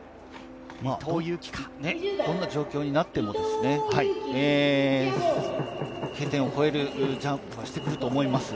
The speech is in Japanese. どんな状況になっても、Ｋ点を越えるジャンプをしてくると思います。